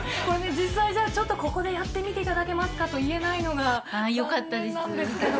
実際じゃあ、ここでやってみていただけますかと言えないのが残念なんですけど。